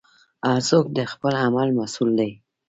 هر څوک د خپل عمل مسوول دی.